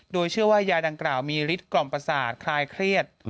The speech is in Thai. โดยเชื่อว่ายาดังกล่าวมีฤทธกล่อมประสาทคลายเครียด